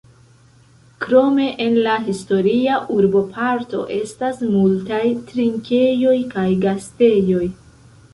Krome en la historia urboparto estas multaj trinkejoj kaj gastejoj.